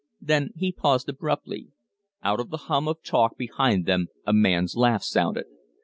Then he paused abruptly. Out of the hum of talk behind them a man's laugh sounded.